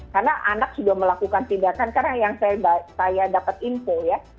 karena anak sudah melakukan tindakan karena yang saya dapat info ya